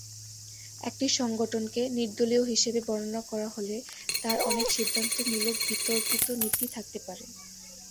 একটি সংগঠনকে নির্দলীয় হিসেবে বর্ণনা করা হলে তার অনেক সিদ্ধান্তমূলক বিতর্কিত নীতি থাকতে পারে।